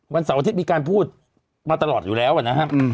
เสาร์อาทิตย์มีการพูดมาตลอดอยู่แล้วนะครับ